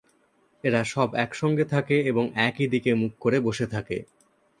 এরা সব একসঙ্গে থাকে এবং একই দিকে মুখ করে বসে থাকে।